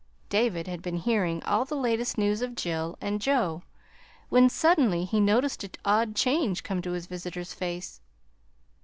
David had been hearing all the latest news of Jill and Joe, when suddenly he noticed an odd change come to his visitor's face.